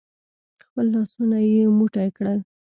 خپل لاسونه يې موټي کړل.